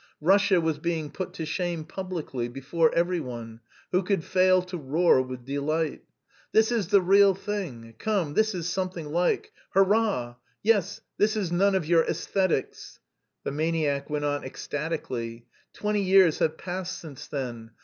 Russia was being put to shame publicly, before every one. Who could fail to roar with delight? "This is the real thing! Come, this is something like! Hurrah! Yes, this is none of your æsthetics!" The maniac went on ecstatically: "Twenty years have passed since then.